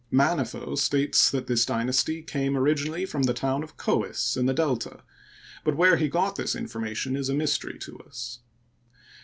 Manetho states that this dy nasty came originally from the town of Chols in the Delta, but where he got this information is a mystery to us.